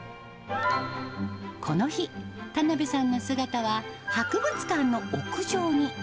この日、田辺さんの姿は、博物館の屋上に。